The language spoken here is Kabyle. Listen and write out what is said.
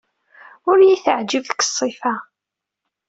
Ur iyi-teɛjib deg ṣṣifa.